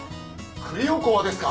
栗おこわですか。